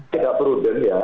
tidak prudent ya